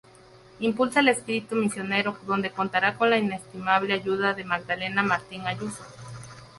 Impulsa el espíritu misionero, donde contará con la inestimable ayuda de Magdalena Martín Ayuso.